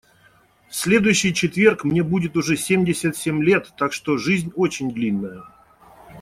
В следующий четверг мне будет уже семьдесят семь лет, так что жизнь очень длинная.